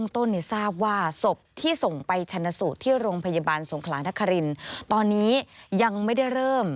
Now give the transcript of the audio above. ทราบว่าศพที่ส่งไปชนะสูตรที่โรงพยาบาลสงขลานครินตอนนี้ยังไม่ได้เริ่ม